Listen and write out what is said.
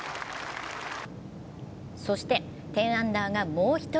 そして、１０アンダーがもう１人。